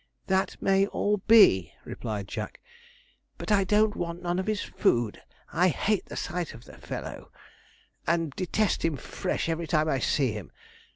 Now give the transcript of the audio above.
'That may all be,' replied Jack, 'but I don't want none of his food. I hate the sight of the fellow, and detest him fresh every time I see him.